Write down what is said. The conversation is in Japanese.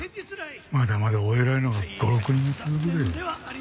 まだまだお偉いのが５６人続くで。